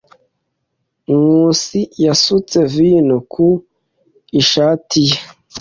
Nkusi yasutse vino ku ishati ye.